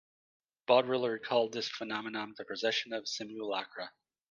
Baudrillard called this phenomenon the "precession of simulacra".